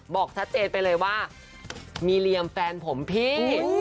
บอกชัดเจนไปเลยว่ามีเหลี่ยมแฟนผมพี่